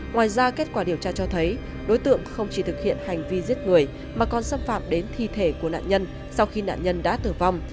ngoài ra kết quả điều tra cho thấy đối tượng không chỉ thực hiện hành vi giết người mà còn xâm phạm đến thi thể của nạn nhân sau khi nạn nhân đã tử vong